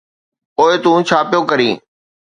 پوءِ تون ڇا پيو ڪرين؟